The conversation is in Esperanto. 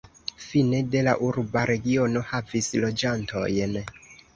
Fine de la urba regiono havis loĝantojn.